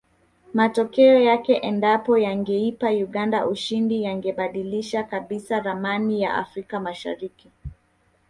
Matokeo yake endapo yangeipa Uganda ushindi yangebadilisha kabisa ramani ya Afrika mashariki